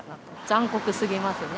残酷すぎますね。